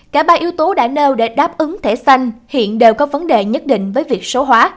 cả ba yếu tố đã nêu để đáp ứng thẻ xanh hiện đều có vấn đề nhất định với việc số hóa